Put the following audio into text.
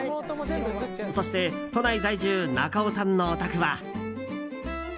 そして、都内在住中尾さんのお宅は。